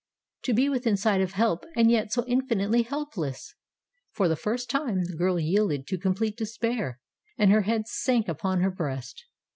To be within sight of help, and yet so infinitely helpless! For the first time the girl yielded to complete despair, and her head sank upon her breast.